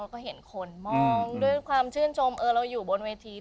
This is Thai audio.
ก็เห็นคนมองด้วยความชื่นชมเราอยู่บนเวที